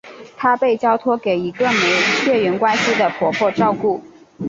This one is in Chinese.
他被交托给一个没血缘关系的婆婆照顾。